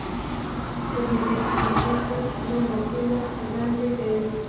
د بي بي خدېجې کور له مکې نه وړاندې دی.